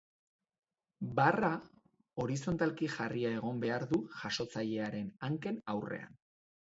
Barra, horizontalki jarria egon behar du jasotzailearen hanken aurrean.